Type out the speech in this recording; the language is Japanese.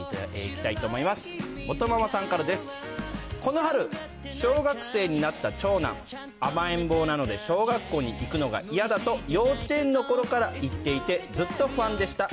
この春、小学生になった長男、甘えん坊なので、小学校に行くのが嫌だと、幼稚園のころから言っていて、ずっと不安でした。